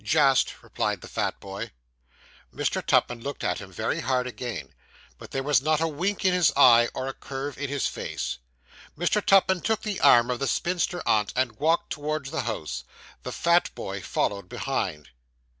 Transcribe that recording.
'Just,' replied the fat boy. Mr. Tupman looked at him very hard again; but there was not a wink in his eye, or a curve in his face. Mr. Tupman took the arm of the spinster aunt, and walked towards the house; the fat boy followed behind.